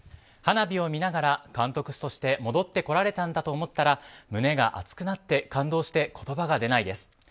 花火を見ながら監督として戻ってこられたんだと思ったら胸が熱くなって感動して言葉が出ないです。